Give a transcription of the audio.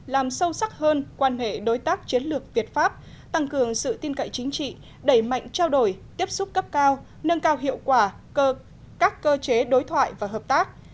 làm sâu sắc hơn quan hệ đối tác chiến lược việt pháp tăng cường sự tin cậy chính trị đẩy mạnh trao đổi tiếp xúc cấp cao nâng cao hiệu quả các cơ chế đối thoại và hợp tác